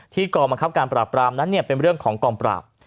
กองบังคับการปราบปรามนั้นเป็นเรื่องของกองปราบ